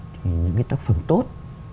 thì những cái tác phẩm tốt